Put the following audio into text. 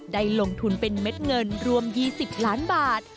ได้ลงทุนเป็นเม็ดเงินรวม๒๐ล้านบาท